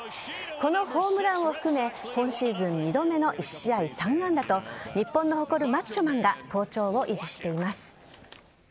このホームランを含め今シーズン２度目の１試合３安打と日本の誇るマッチョマンが好調を維持しています。